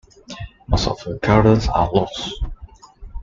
Most of her gardens are lost.